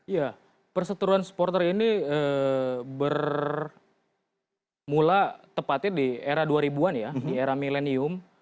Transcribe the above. ya perseturuan supporter ini bermula tepatnya di era dua ribu an ya di era milenium